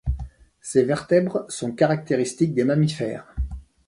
Ces vertèbres sont caractéristiques des mammifères.